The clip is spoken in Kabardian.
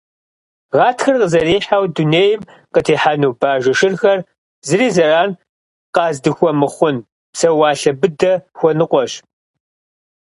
Гъатхэр къызэрихьэу дунейм къытехьэну бажэ шырхэр, зыри зэран къаздыхуэмыхъун псэуалъэ быдэ хуэныкъуэщ.